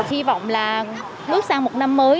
hy vọng là bước sang một năm mới